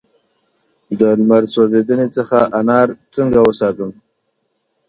د لمر سوځیدنې څخه انار څنګه وساتم؟